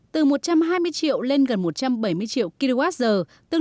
từ một trăm hai mươi triệu lên gần một trăm linh triệu